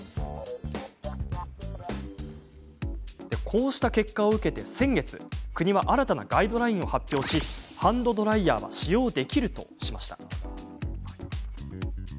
こうした結果を受けて、先月国は新たなガイドラインを発表しハンドドライヤーは使用できるとしました。